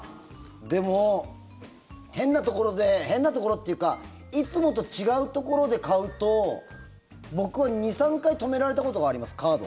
でも、変なところで変なところというかいつもと違うところで買うと僕は２３回止められたことがありますカード。